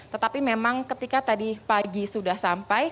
tetapi memang ketika tadi pagi sudah sampai